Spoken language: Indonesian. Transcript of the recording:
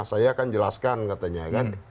saya akan jelaskan katanya kan